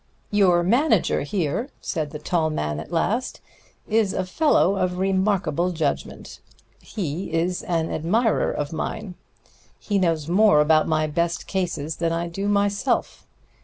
"Your manager here," said the tall man at last, "is a fellow of remarkable judgment. He is an admirer of mine. He knows more about my best cases than I do myself.